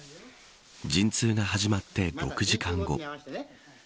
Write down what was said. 陣痛が始まって６時間後。